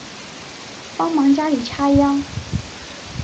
帮忙家里插秧